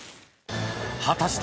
果たして